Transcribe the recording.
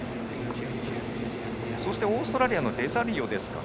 そしてオーストラリアのデロザリオですかね。